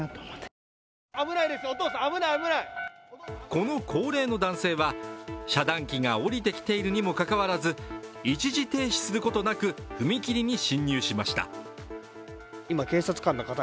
この高齢の男性は、遮断機が下りてきているにもかかわらず一時停止することなく踏切に進入しました。